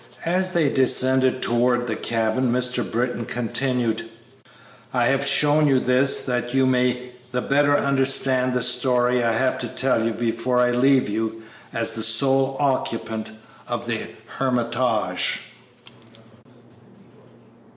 As they descended towards the cabin Mr. Britton continued: "I have shown you this that you may the better understand the story I have to tell you before I leave you as sole occupant of the Hermitage."